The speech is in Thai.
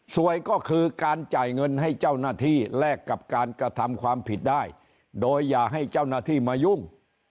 ก็คือการจ่ายเงินให้เจ้าหน้าที่แลกกับการกระทำความผิดได้โดยอย่าให้เจ้าหน้าที่มายุ่ง